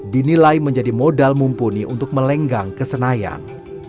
dinilai menjadi modal mumpuni untuk melenggang kesenayan